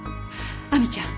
亜美ちゃん。